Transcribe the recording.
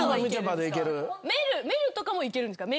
愛瑠とかもいけるんですか？